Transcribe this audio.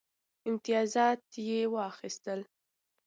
امتیازات یې واخیستل.